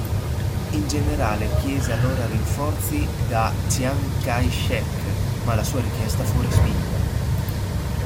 Il generale chiese allora rinforzi da Chiang Kai-shek ma la sua richiesta fu respinta.